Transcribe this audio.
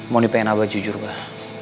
mau dipengin abah jujur mbah